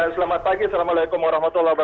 selamat pagi assalamualaikum wr wb